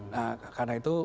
nah karena itu